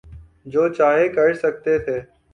جو چاہے کر سکتے تھے۔